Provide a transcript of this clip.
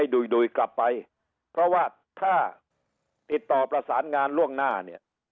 ดุยกลับไปเพราะว่าถ้าติดต่อประสานงานล่วงหน้าเนี่ย